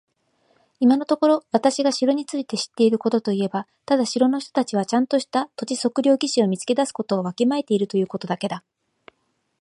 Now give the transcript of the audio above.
今のところ私が城について知っていることといえば、ただ城の人たちはちゃんとした土地測量技師を見つけ出すことをわきまえているということだけだ。